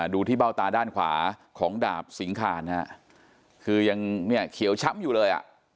ดูที่เบ้าตาด้านขวาของดาบสิงคานฮะคือยังเนี่ยเขียวช้ำอยู่เลยอ่ะ